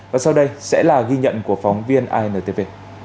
và sau đây sẽ là ghi nhận của phóng viên intv